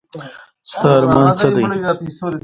ستا ارمان څه دی ؟